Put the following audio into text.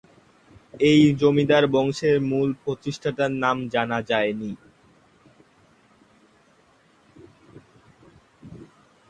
এই জমিদার বংশের মূল প্রতিষ্ঠাতার নাম জানা যায়নি।